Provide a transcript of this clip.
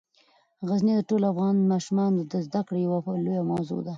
غزني د ټولو افغان ماشومانو د زده کړې یوه لویه موضوع ده.